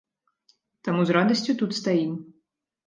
Таму з радасцю тут стаім.